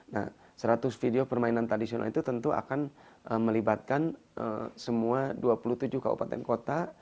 nah seratus video permainan tradisional itu tentu akan melibatkan semua dua puluh tujuh kabupaten kota